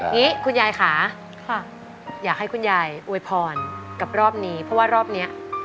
งี้คุณยายค่ะอยากให้คุณยายอวยพรกับรอบนี้เพราะว่ารอบนี้